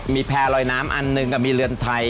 มีแพรรอยน้ำอันนึงกับมีเรือนไทย